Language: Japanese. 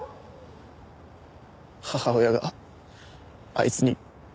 母親があいつに。